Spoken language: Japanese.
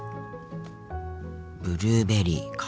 ブルーベリーか。